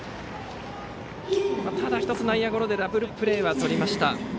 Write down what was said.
ただ１つ内野ゴロでダブルプレーはとりました。